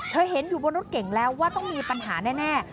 เห็นอยู่บนรถเก่งแล้วว่าต้องมีปัญหาแน่